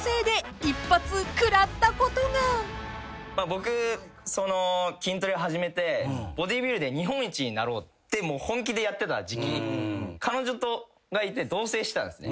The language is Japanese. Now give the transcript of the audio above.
僕筋トレ始めてボディビルで日本一になろうって本気でやってた時期彼女がいて同棲してたんすね。